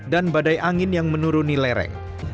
dan badai angin yang menuruni lereng